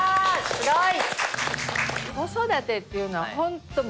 すごい！